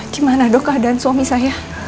gimana dok keadaan suami saya